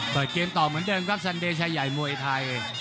เปิดเกมต่อเหมือนเดิมครับซันเดย์ชายใหญ่มวยไทย